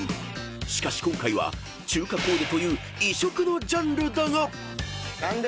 ［しかし今回は中華コーデという異色のジャンルだが］